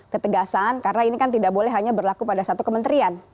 ketegasan karena ini kan tidak boleh hanya berlaku pada satu kementerian